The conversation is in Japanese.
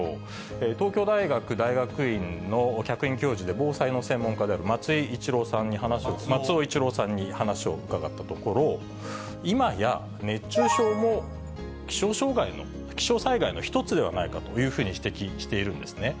東京大学大学院の客員教授で、防災の専門家である松尾一郎さんに話を伺ったところ、今や熱中症も気象災害の一つではないかというふうに指摘しているんですね。